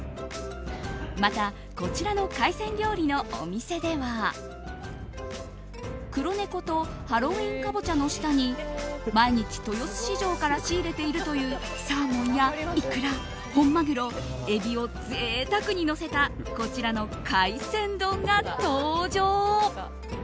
また、こちらの海鮮料理のお店では黒猫とハロウィーンカボチャの下に毎日、豊洲市場から仕入れているというサーモンやイクラ本マグロ、エビを贅沢にのせたこちらの海鮮丼が登場。